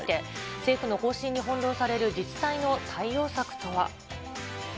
政府の方針に翻弄される自治体の対応策とは。